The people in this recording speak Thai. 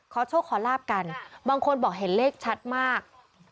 โชคขอลาบกันบางคนบอกเห็นเลขชัดมาก